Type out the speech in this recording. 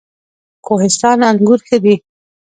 کوهستان انګور ښه دي؟